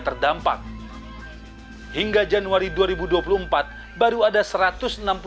terdampak hingga januari dua ribu dua puluh berlaku dan kembali ke kabin penyelenggaraan rumah yang dihubungi dengan